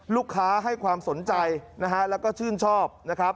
ลูกค้าให้ความสนใจแล้วก็ชื่นชอบ